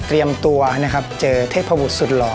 เตรียมตัวนะครับเจอเทพบุรุษสุดหล่อ